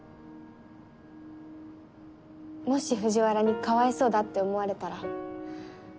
もし藤原に「かわいそうだ」って思われたら。